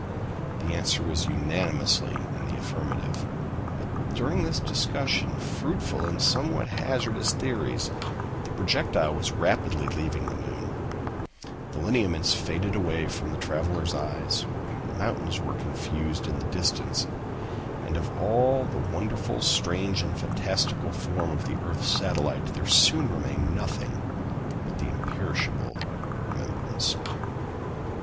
The answer was unanimously in the affirmative. But during this discussion, fruitful in somewhat hazardous theories, the projectile was rapidly leaving the moon: the lineaments faded away from the travelers' eyes, mountains were confused in the distance; and of all the wonderful, strange, and fantastical form of the earth's satellite, there soon remained nothing but the imperishable remembrance.